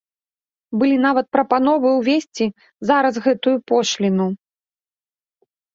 Былі нават прапановы ўвесці зараз гэтую пошліну.